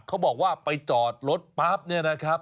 เขาบอกว่าไปจอดรถปั๊บเนี่ยนะครับ